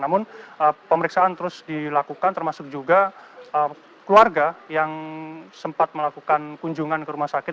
namun pemeriksaan terus dilakukan termasuk juga keluarga yang sempat melakukan kunjungan ke rumah sakit